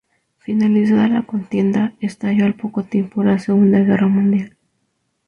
Finalizada la contienda, estalló al poco tiempo la Segunda Guerra Mundial.